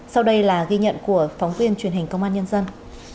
sau đây là ghi nhận của phóng viên truyền hình công an nhân dân